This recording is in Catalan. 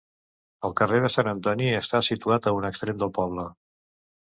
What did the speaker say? El carrer de Sant Antoni està situat a un extrem del poble.